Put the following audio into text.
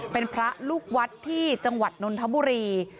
เป็นพระลูกวัดที่จังหวัดนนทบุรี